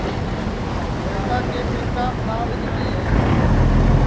روہیتا کے پیٹاپ دؔاد نیکݪی گے